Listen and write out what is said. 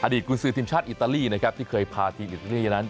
ตกุญศือทีมชาติอิตาลีนะครับที่เคยพาทีมอิตาลีนั้น